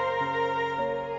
aku mau kemana